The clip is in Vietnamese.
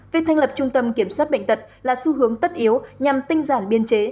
việc thành lập trung tâm kiểm soát bệnh tật là xu hướng tất yếu nhằm tinh giản biên chế